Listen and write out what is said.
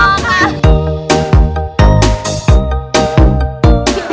กรุงเทพค่ะ